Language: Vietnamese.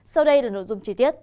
sau đây là nội dung chi tiết